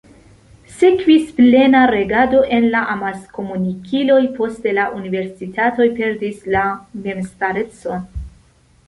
Sekvis plena regado en la amaskomunikiloj, poste la universitatoj perdis la memstarecon.